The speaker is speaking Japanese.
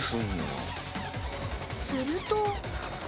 すると。